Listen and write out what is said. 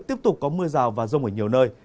tiếp tục có mưa rào và rông ở nhiều nơi